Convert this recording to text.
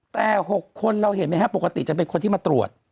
แต่๖คนเราเห็นไหมครับปกติจะเป็นคนที่มาตรวจ